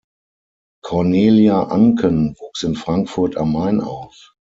Cornelia Anken wuchs in Frankfurt am Main auf.